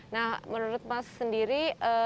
nah menurut mas sendiri